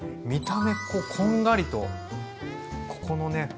見た目こんがりとここのね